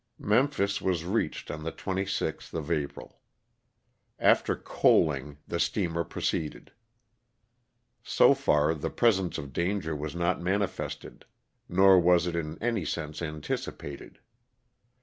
Mem phis was reached on the 26th of April. After coaling the steamer proceeded. So far the presence of danger was not manifested, nor was it in any sense anticipated.